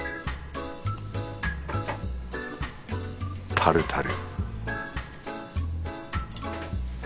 タルタル